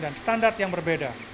dengan standar yang berbeda